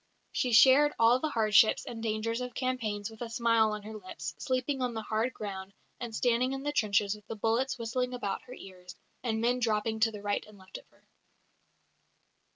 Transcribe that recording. She shared all the hardships and dangers of campaigns with a smile on her lips, sleeping on the hard ground, and standing in the trenches with the bullets whistling about her ears, and men dropping to right and left of her.